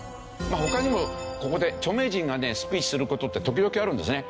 他にもここで著名人がねスピーチする事って時々あるんですね。